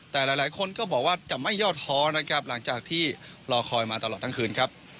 แต่หลายคนก็บอกว่าจะไม่ย่อท้อนะครับหลังจากที่รอคอยมาตลอดทั้งคืนครับ